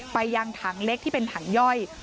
ไปยังถังเล็กที่เป็นถังย่อย